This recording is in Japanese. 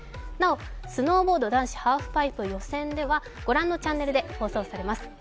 なお、スノーボード男子ハーフパイプ予選は御覧のチャンネルで放送されます。